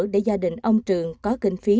để gia đình ông trường có kinh phí